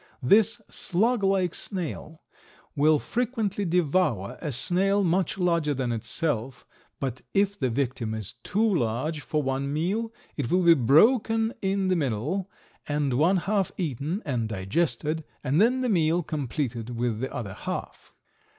This slug like snail will frequently devour a snail much larger than itself, but if the victim is too large for one meal it will be broken in the middle and one half eaten and digested and then the meal completed with the other half.